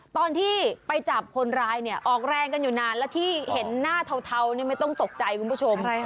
ตอนที่ไปจับคนร้ายเนี่ยออกแรงกันอยู่นานแล้วที่เห็นหน้าเทานี่ไม่ต้องตกใจคุณผู้ชม